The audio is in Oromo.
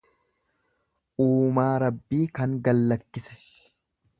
Uumaa Rabbii kan gallakkise.